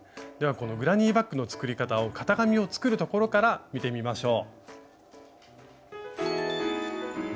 このグラニーバッグの作り方を型紙を作るところから見てみましょう。